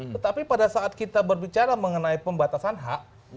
tetapi pada saat kita berbicara mengenai pembatasan hak